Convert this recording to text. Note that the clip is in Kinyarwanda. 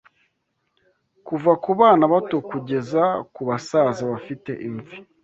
Kuva ku bana bato kugeza ku basaza bafite imvi